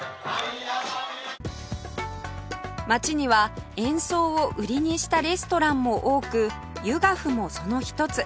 街には演奏を売りにしたレストランも多くユガフもその一つ